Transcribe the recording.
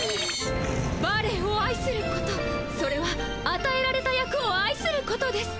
バレエをあいすることそれはあたえられた役をあいすることです。